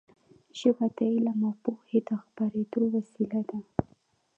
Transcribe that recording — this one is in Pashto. ژبه د علم او پوهې د خپرېدو وسیله ده.